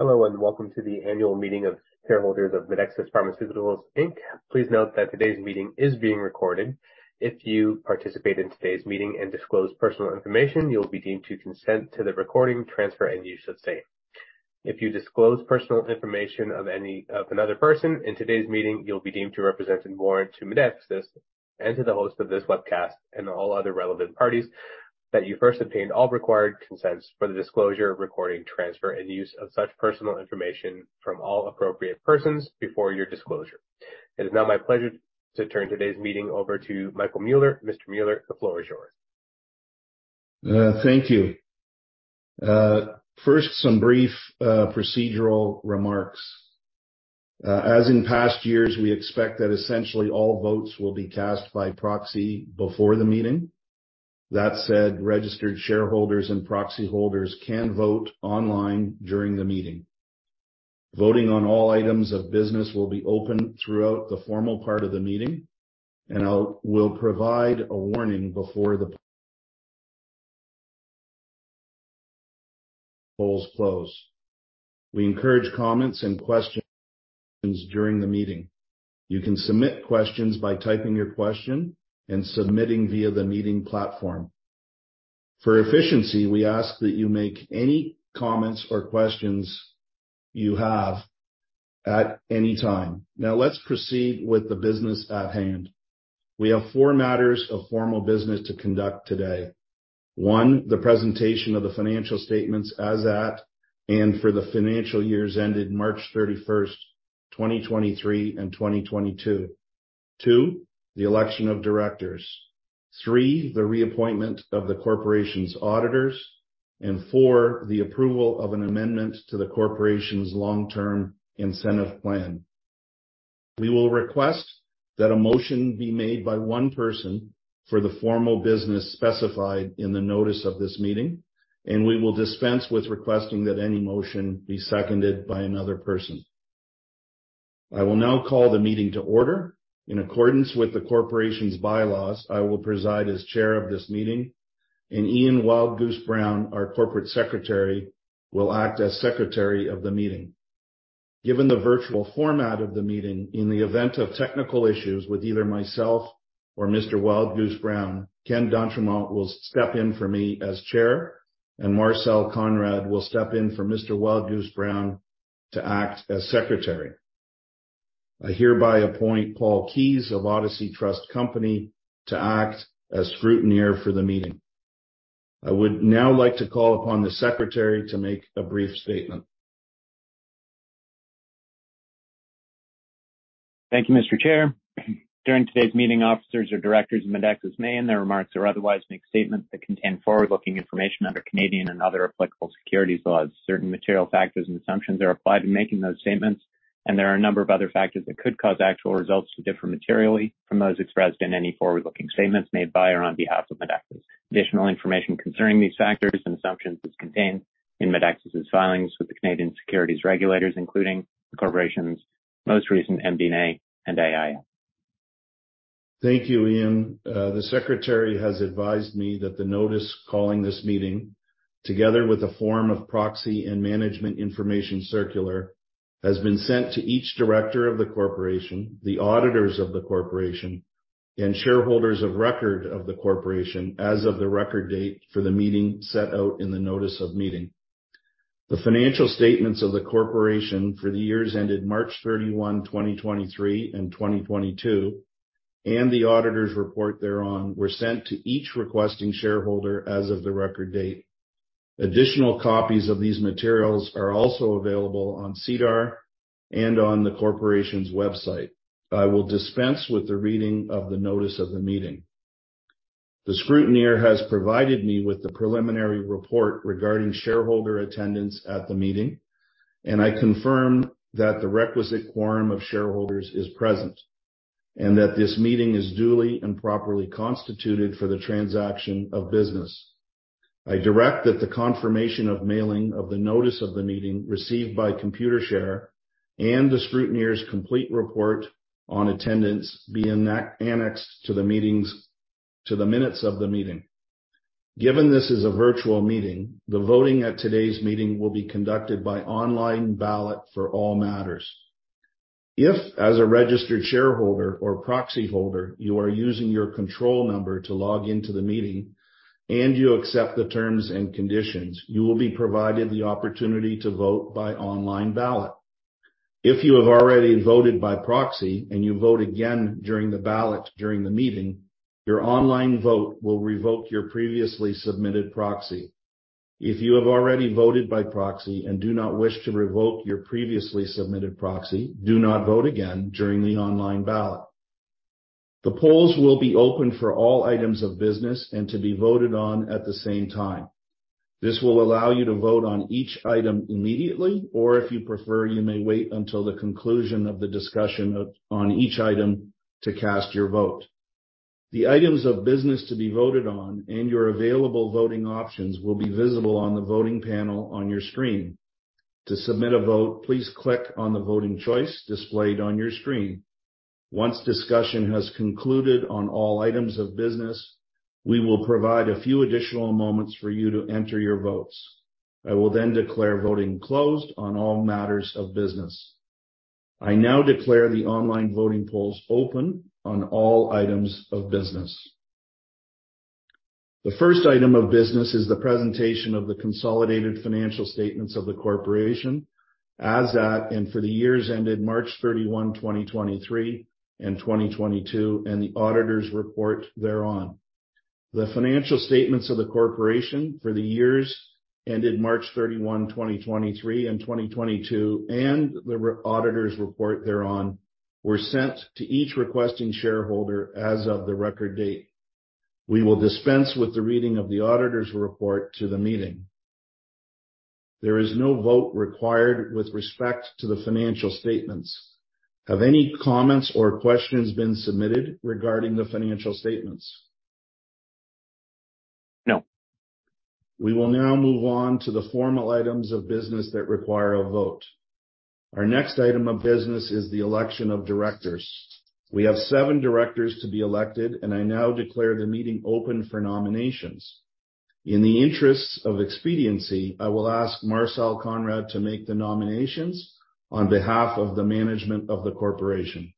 Hello, and welcome to the annual meeting of shareholders of Medexus Pharmaceuticals Inc. Please note that today's meeting is being recorded. If you participate in today's meeting and disclose personal information, you'll be deemed to consent to the recording, transfer, and use of same. If you disclose personal information of another person in today's meeting, you'll be deemed to represent and warrant to Medexus and to the host of this webcast and all other relevant parties that you first obtained all required consents for the disclosure, recording, transfer, and use of such personal information from all appropriate persons before your disclosure. It is now my pleasure to turn today's meeting over to Michael Mueller. Mr. Mueller, the floor is yours. Thank you. First, some brief procedural remarks. As in past years, we expect that essentially all votes will be cast by proxy before the meeting. That said, registered shareholders and proxy holders can vote online during the meeting. Voting on all items of business will be open throughout the formal part of the meeting, and I will provide a warning before the polls close. We encourage comments and questions during the meeting. You can submit questions by typing your question and submitting via the meeting platform. For efficiency, we ask that you make any comments or questions you have at any time. Now let's proceed with the business at hand. We have four matters of formal business to conduct today. One, the presentation of the financial statements as at and for the financial years ended March 31st, 2023 and 2022. Two, the election of directors. Three, the reappointment of the corporation's auditors. Four, the approval of an amendment to the corporation's long-term incentive plan. We will request that a motion be made by one person for the formal business specified in the notice of this meeting, and we will dispense with requesting that any motion be seconded by another person. I will now call the meeting to order. In accordance with the corporation's bylaws, I will preside as chair of this meeting, and Ian C. Wildgoose-Brown, our corporate secretary, will act as secretary of the meeting. Given the virtual format of the meeting, in the event of technical issues with either myself or Mr. Wildgoose-Brown, Ken d'Entremont will step in for me as chair, and Marcel Konrad will step in for Mr. Wildgoose-Brown to act as secretary. I hereby appoint Paul Keyes of Odyssey Trust Company to act as scrutineer for the meeting. I would now like to call upon the secretary to make a brief statement. Thank you, Mr. Chair. During today's meeting, officers or directors of Medexus may, in their remarks or otherwise, make statements that contain forward-looking information under Canadian and other applicable securities laws. Certain material factors and assumptions are applied in making those statements, and there are a number of other factors that could cause actual results to differ materially from those expressed in any forward-looking statements made by or on behalf of Medexus. Additional information concerning these factors and assumptions is contained in Medexus' filings with the Canadian securities regulators, including the corporation's most recent MD&A and AIF. Thank you, Ian. The secretary has advised me that the notice calling this meeting, together with a form of proxy and management information circular, has been sent to each director of the corporation, the auditors of the corporation, and shareholders of record of the corporation as of the record date for the meeting set out in the notice of meeting. The financial statements of the corporation for the years ended March 31st, 2023 and 2022, and the auditors' report thereon, were sent to each requesting shareholder as of the record date. Additional copies of these materials are also available on SEDAR and on the corporation's website. I will dispense with the reading of the notice of the meeting. The scrutineer has provided me with the preliminary report regarding shareholder attendance at the meeting, and I confirm that the requisite quorum of shareholders is present and that this meeting is duly and properly constituted for the transaction of business. I direct that the confirmation of mailing of the notice of the meeting received by Computershare and the scrutineer's complete report on attendance be annexed to the minutes of the meeting. Given this is a virtual meeting, the voting at today's meeting will be conducted by online ballot for all matters. If, as a registered shareholder or proxy holder, you are using your control number to log into the meeting and you accept the terms and conditions, you will be provided the opportunity to vote by online ballot. If you have already voted by proxy and you vote again during the ballot during the meeting, your online vote will revoke your previously submitted proxy. If you have already voted by proxy and do not wish to revoke your previously submitted proxy, do not vote again during the online ballot. The polls will be open for all items of business and to be voted on at the same time. This will allow you to vote on each item immediately, or if you prefer, you may wait until the conclusion of the discussion on each item to cast your vote. The items of business to be voted on and your available voting options will be visible on the voting panel on your screen. To submit a vote, please click on the voting choice displayed on your screen. Once discussion has concluded on all items of business, we will provide a few additional moments for you to enter your votes. I will then declare voting closed on all matters of business. I now declare the online voting polls open on all items of business. The first item of business is the presentation of the consolidated financial statements of the corporation as at and for the years ended March 31st, 2023, and 2022, and the auditors' report thereon. The financial statements of the corporation for the years ended March 31, 2023 and 2022 and the auditor's report thereon were sent to each requesting shareholder as of the record date. We will dispense with the reading of the auditor's report to the meeting. There is no vote required with respect to the financial statements. Have any comments or questions been submitted regarding the financial statements? No. We will now move on to the formal items of business that require a vote. Our next item of business is the election of directors. We have seven directors to be elected, and I now declare the meeting open for nominations. In the interests of expediency, I will ask Marcel Konrad to make the nominations on behalf of the management of the corporation.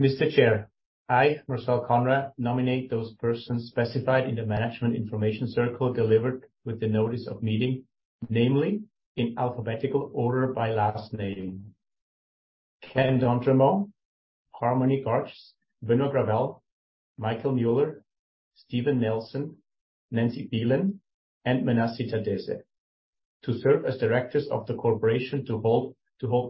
Mr. Chair, I, Marcel Konrad, nominate those persons specified in the management information circular delivered with the notice of meeting, namely, in alphabetical order by last name, Ken d'Entremont, Harmony P. Garges, Benoit Gravel, Michael Mueller, Stephen Nelson, Nancy Phelan, and Menassie Taddese, to serve as directors of the corporation to hold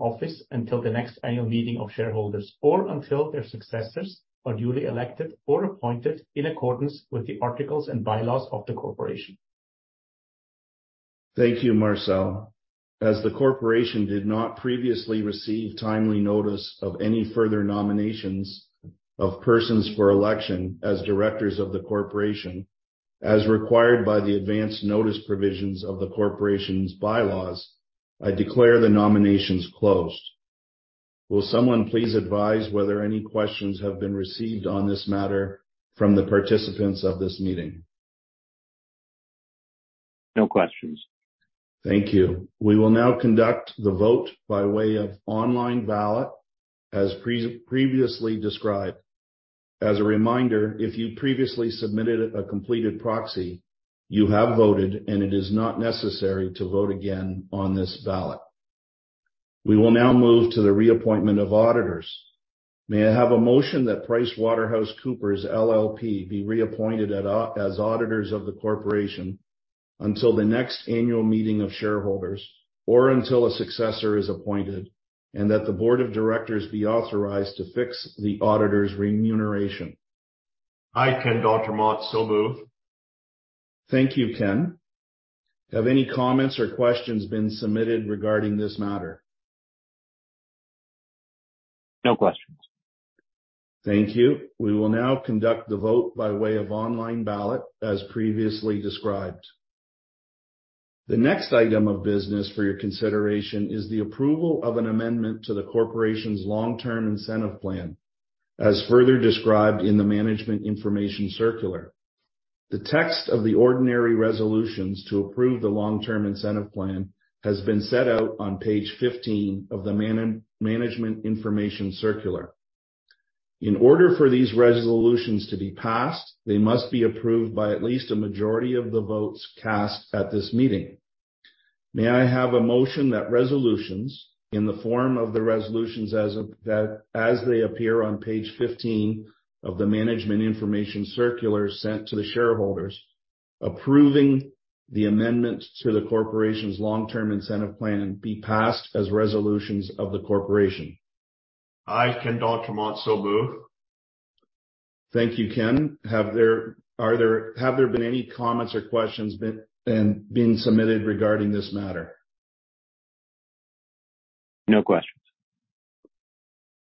office until the next annual meeting of shareholders, or until their successors are duly elected or appointed in accordance with the articles and bylaws of the corporation. Thank you, Marcel. As the corporation did not previously receive timely notice of any further nominations of persons for election as directors of the corporation, as required by the advance notice provisions of the corporation's bylaws, I declare the nominations closed. Will someone please advise whether any questions have been received on this matter from the participants of this meeting? No questions. Thank you. We will now conduct the vote by way of online ballot as previously described. As a reminder, if you previously submitted a completed proxy, you have voted and it is not necessary to vote again on this ballot. We will now move to the reappointment of auditors. May I have a motion that PricewaterhouseCoopers LLP be reappointed as auditors of the corporation until the next annual meeting of shareholders, or until a successor is appointed, and that the board of directors be authorized to fix the auditors' remuneration? I, Ken d'Entremont, so move. Thank you, Ken. Have any comments or questions been submitted regarding this matter? No questions. Thank you. We will now conduct the vote by way of online ballot as previously described. The next item of business for your consideration is the approval of an amendment to the corporation's long-term incentive plan, as further described in the management information circular. The text of the ordinary resolutions to approve the long-term incentive plan has been set out on page 15 of the management information circular. In order for these resolutions to be passed, they must be approved by at least a majority of the votes cast at this meeting. May I have a motion that resolutions in the form of the resolutions as they appear on page 15 of the management information circular sent to the shareholders, approving the amendment to the corporation's long-term incentive plan be passed as resolutions of the corporation? I, Ken d'Entremont, so move. Thank you, Ken. Have there been any comments or questions being submitted regarding this matter? No questions.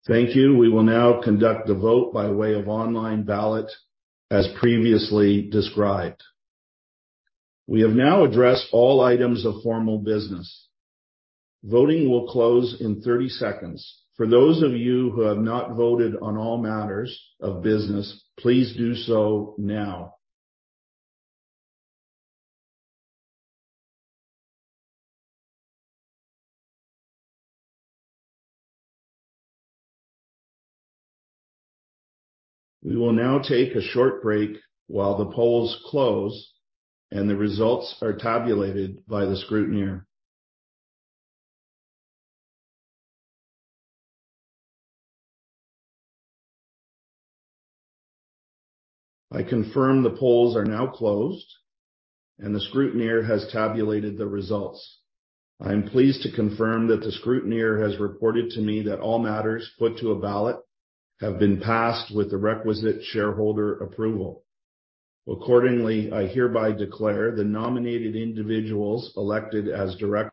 Thank you. We will now conduct the vote by way of online ballot as previously described. We have now addressed all items of formal business. Voting will close in 30 seconds. For those of you who have not voted on all matters of business, please do so now. We will now take a short break while the polls close and the results are tabulated by the scrutineer. I confirm the polls are now closed and the scrutineer has tabulated the results. I am pleased to confirm that the scrutineer has reported to me that all matters put to a ballot have been passed with the requisite shareholder approval. Accordingly, I hereby declare the nominated individuals elected as direct-